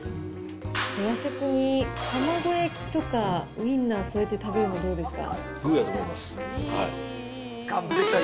夜食に卵焼きとか、ウインナー添えて食べるのどうですか。